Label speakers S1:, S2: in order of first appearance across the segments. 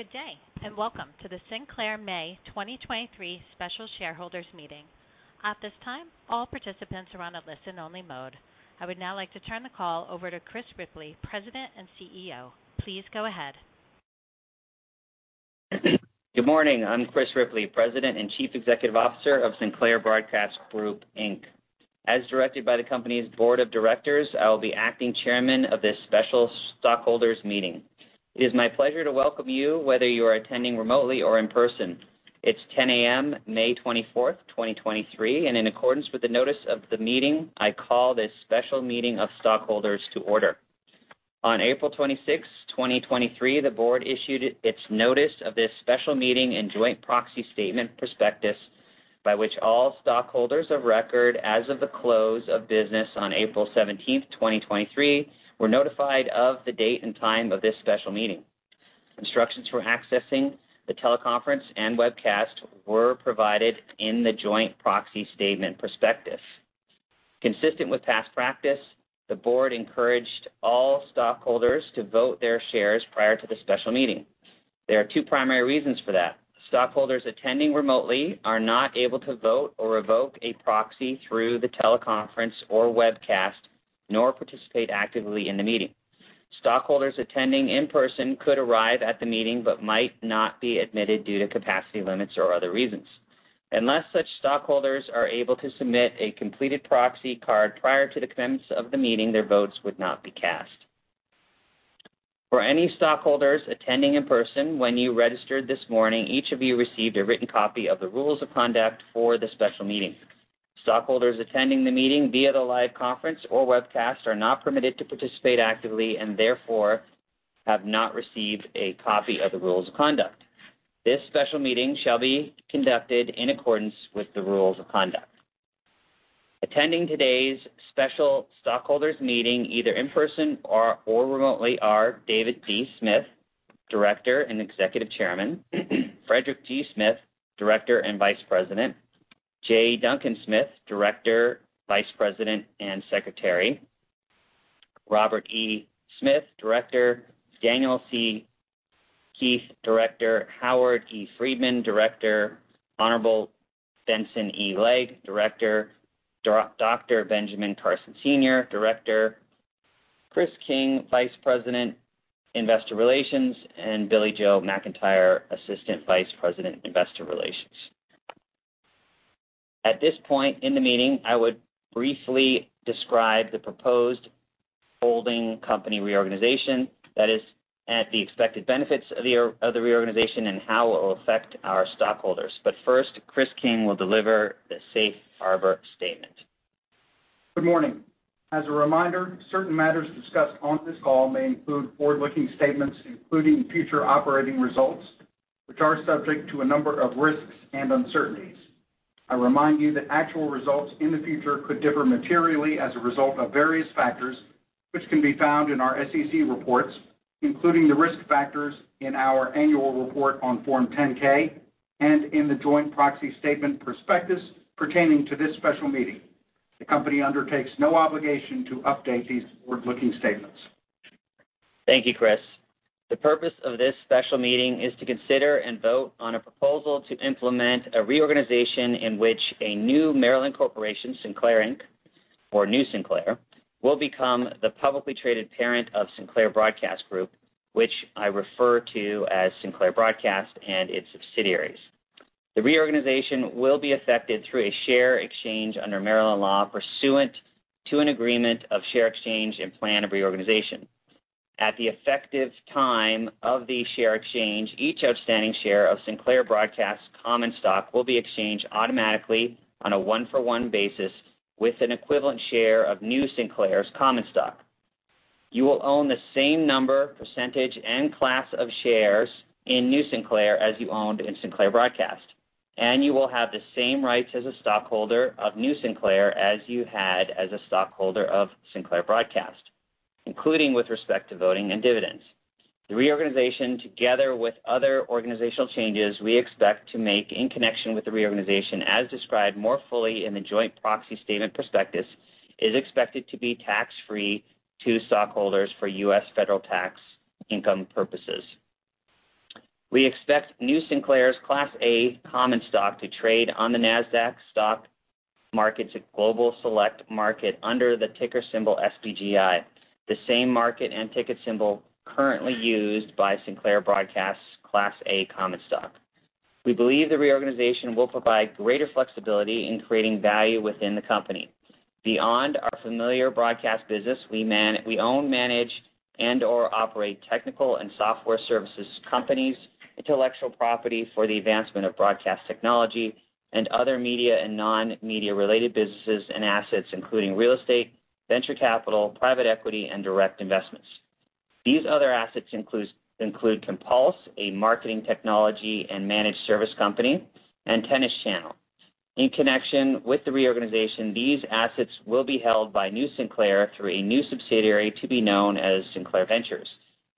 S1: Good day, and welcome to the Sinclair May 2023 special shareholders meeting. At this time, all participants are on a listen-only mode. I would now like to turn the call over to Chris Ripley, President and CEO. Please go ahead.
S2: Good morning. I'm Chris Ripley, President and Chief Executive Officer of Sinclair Broadcast Group, Inc. As directed by the company's board of directors, I will be acting chairman of this special stockholders meeting. It is my pleasure to welcome you, whether you are attending remotely or in person. It's 10:00 A.M., May 24, 2023. In accordance with the notice of the meeting, I call this special meeting of stockholders to order. On April 26, 2023, the board issued its notice of this special meeting and Joint Proxy Statement/Prospectus, by which all stockholders of record as of the close of business on April 17, 2023, were notified of the date and time of this special meeting. Instructions for accessing the teleconference and webcast were provided in the Joint Proxy Statement/Prospectus. Consistent with past practice, the board encouraged all stockholders to vote their shares prior to the special meeting. There are two primary reasons for that. Stockholders attending remotely are not able to vote or revoke a proxy through the teleconference or webcast, nor participate actively in the meeting. Stockholders attending in person could arrive at the meeting, but might not be admitted due to capacity limits or other reasons. Unless such stockholders are able to submit a completed proxy card prior to the commence of the meeting, their votes would not be cast. For any stockholders attending in person, when you registered this morning, each of you received a written copy of the rules of conduct for the special meeting. Stockholders attending the meeting via the live conference or webcast are not permitted to participate actively and therefore have not received a copy of the rules of conduct. This special meeting shall be conducted in accordance with the rules of conduct. Attending today's special stockholders meeting, either in person or remotely are David D. Smith, Director and Executive Chairman, Frederick G. Smith, Director and Vice President, J. Duncan Smith, Director, Vice President, and Secretary, Robert E. Smith, Director, Daniel C. Keith, Director, Howard E. Friedman, Director, Honorable Benson E. Legg, Director, Dr. Benjamin Carson, Sr., Director, Chris King, Vice President, Investor Relations, and Billy Joe McIntyre, Assistant Vice President, Investor Relations. At this point in the meeting, I would briefly describe the proposed holding company reorganization that is the expected benefits of the reorganization and how it will affect our stockholders. First, Chris King will deliver the safe harbor statement.
S3: Good morning. As a reminder, certain matters discussed on this call may include forward-looking statements, including future operating results, which are subject to a number of risks and uncertainties. I remind you that actual results in the future could differ materially as a result of various factors, which can be found in our SEC reports, including the risk factors in our annual report on Form 10-K and in the Joint Proxy Statement/Prospectus pertaining to this special meeting. The company undertakes no obligation to update these forward-looking statements.
S2: Thank you, Chris. The purpose of this special meeting is to consider and vote on a proposal to implement a reorganization in which a new Maryland corporation, Sinclair, Inc., or New Sinclair, will become the publicly traded parent of Sinclair Broadcast Group, which I refer to as Sinclair Broadcast and its subsidiaries. The reorganization will be affected through a share exchange under Maryland law pursuant to an Agreement of Share Exchange and Plan of Reorganization. At the effective time of the share exchange, each outstanding share of Sinclair Broadcast common stock will be exchanged automatically on a one-for-one basis with an equivalent share of New Sinclair's common stock. You will own the same number, percentage, and class of shares in New Sinclair as you owned in Sinclair Broadcast. You will have the same rights as a stockholder of New Sinclair as you had as a stockholder of Sinclair Broadcast, including with respect to voting and dividends. The reorganization, together with other organizational changes we expect to make in connection with the reorganization as described more fully in the Joint Proxy Statement/Prospectus, is expected to be tax-free to stockholders for U.S. federal tax income purposes. We expect New Sinclair's Class A Common Stock to trade on the Nasdaq Global Select Market under the ticker symbol SBGI, the same market and ticker symbol currently used by Sinclair Broadcast's Class A Common Stock. We believe the reorganization will provide greater flexibility in creating value within the company. Beyond our familiar broadcast business, we own, manage, and/or operate technical and software services companies, intellectual property for the advancement of broadcast technology and other media and non-media related businesses and assets, including real estate, venture capital, private equity, and direct investments. These other assets include Compulse, a marketing technology and managed service company, and Tennis Channel. In connection with the reorganization, these assets will be held by New Sinclair through a new subsidiary to be known as Sinclair Ventures,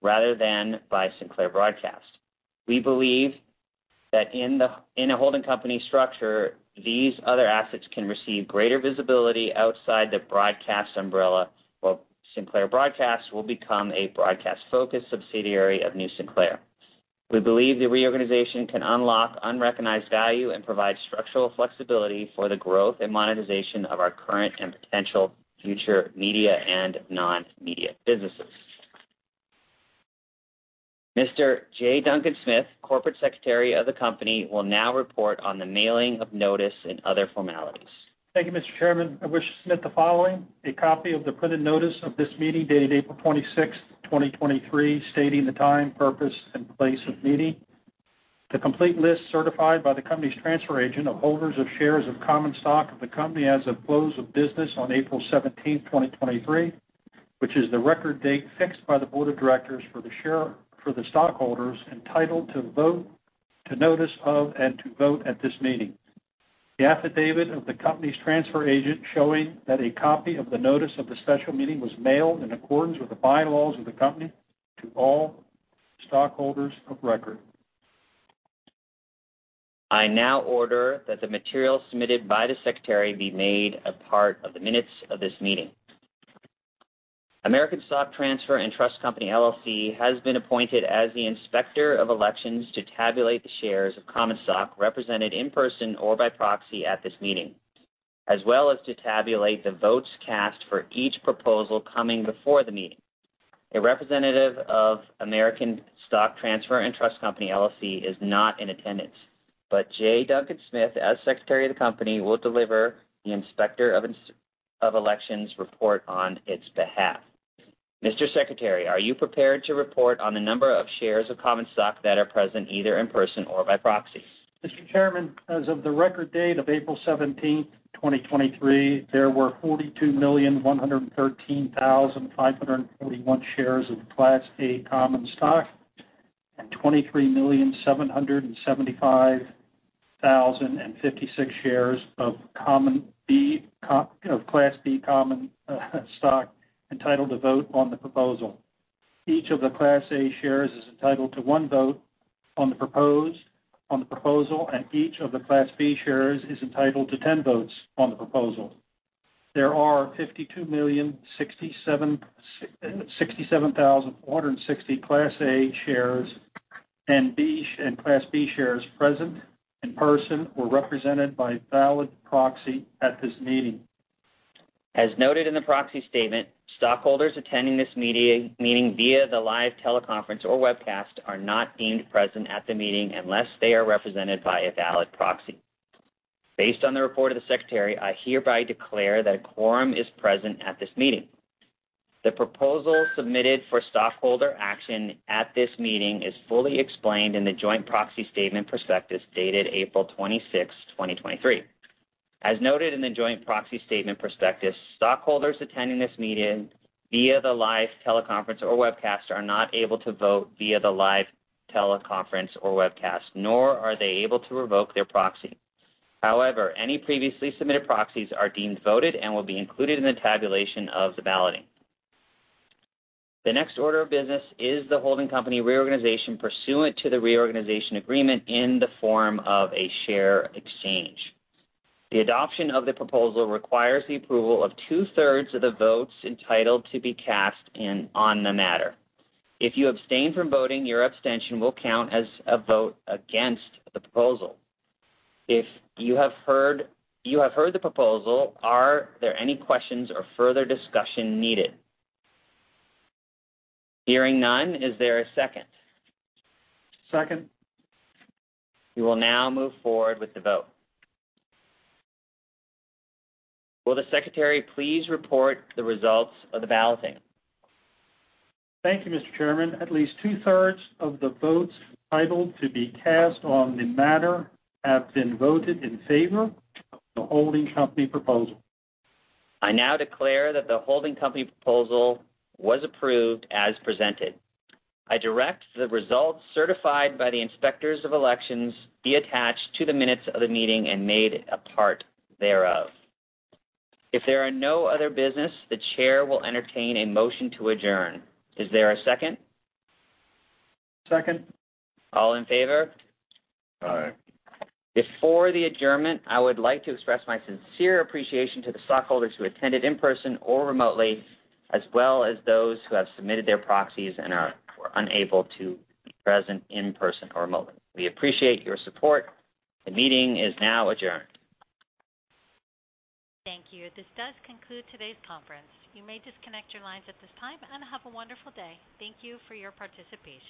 S2: rather than by Sinclair Broadcast. We believe that in a holding company structure, these other assets can receive greater visibility outside the broadcast umbrella, while Sinclair Broadcast will become a broadcast-focused subsidiary of New Sinclair. We believe the reorganization can unlock unrecognized value and provide structural flexibility for the growth and monetization of our current and potential future media and non-media businesses. Mr. J. Duncan Smith, Corporate Secretary of the company, will now report on the mailing of notice and other formalities.
S4: Thank you, Mr. Chairman. I wish to submit the following: A copy of the printed notice of this meeting dated April 26th, 2023, stating the time, purpose, and place of meeting. The complete list certified by the company's transfer agent of holders of shares of common stock of the company as of close of business on April 17th, 2023, which is the record date fixed by the board of directors for the stockholders entitled to vote to notice of and to vote at this meeting. The affidavit of the company's transfer agent showing that a copy of the notice of the special meeting was mailed in accordance with the bylaws of the company to all stockholders of record.
S2: I now order that the material submitted by the Secretary be made a part of the minutes of this meeting. American Stock Transfer & Trust Company, LLC has been appointed as the inspector of elections to tabulate the shares of common stock represented in person or by proxy at this meeting, as well as to tabulate the votes cast for each proposal coming before the meeting. A representative of American Stock Transfer & Trust Company, LLC is not in attendance, but J. Duncan Smith, as Secretary of the company, will deliver the inspector of elections report on its behalf. Mr. Secretary, are you prepared to report on the number of shares of common stock that are present, either in person or by proxy?
S4: Mr. Chairman, as of the record date of April 17, 2023, there were 42,113,541 shares of Class A Common Stock and 23,775,056 shares of you know, Class B Common Stock entitled to vote on the proposal. Each of the Class A shares is entitled to one vote on the proposal, and each of the Class B shares is entitled to 10 votes on the proposal. There are 52,067,460 Class A shares and Class B shares present in person or represented by valid proxy at this meeting.
S2: As noted in the proxy statement, stockholders attending this meeting via the live teleconference or webcast are not deemed present at the meeting unless they are represented by a valid proxy. Based on the report of the secretary, I hereby declare that a quorum is present at this meeting. The proposal submitted for stockholder action at this meeting is fully explained in the Joint Proxy Statement/Prospectus dated April 26th, 2023. As noted in the Joint Proxy Statement/Prospectus, stockholders attending this meeting via the live teleconference or webcast are not able to vote via the live teleconference or webcast, nor are they able to revoke their proxy. However, any previously submitted proxies are deemed voted and will be included in the tabulation of the balloting. The next order of business is the holding company reorganization pursuant to the reorganization agreement in the form of a share exchange. The adoption of the proposal requires the approval of 2/3 of the votes entitled to be cast in on the matter. If you abstain from voting, your abstention will count as a vote against the proposal. If you have heard the proposal, are there any questions or further discussion needed? Hearing none, is there a second?
S4: Second.
S2: We will now move forward with the vote. Will the secretary please report the results of the balloting?
S4: Thank you, Mr. Chairman. At least 2/3 of the votes entitled to be cast on the matter have been voted in favor of the holding company proposal.
S2: I now declare that the holding company proposal was approved as presented. I direct the results certified by the inspectors of elections be attached to the minutes of the meeting and made a part thereof. If there are no other business, the chair will entertain a motion to adjourn. Is there a second?
S4: Second.
S2: All in favor?
S3: Aye.
S2: Before the adjournment, I would like to express my sincere appreciation to the stockholders who attended in person or remotely, as well as those who have submitted their proxies and were unable to be present in person or remotely. We appreciate your support. The meeting is now adjourned.
S1: Thank you. This does conclude today's conference. You may disconnect your lines at this time, and have a wonderful day. Thank you for your participation.